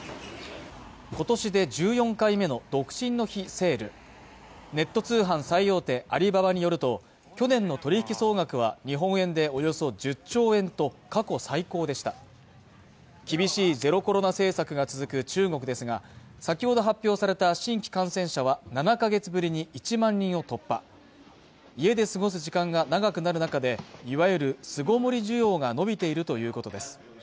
今年で１４回目の独身の日セールネット通販最大手アリババによると去年の取引総額は日本円でおよそ１０兆円と過去最高でした厳しいゼロコロナ政策が続く中国ですが先ほど発表された新規感染者は７か月ぶりに１万人を突破家で過ごす時間が長くなる中でいわゆる巣ごもり需要が伸びているということです